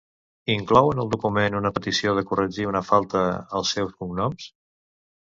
Inclou en el document una petició de corregir una falta als seus cognoms?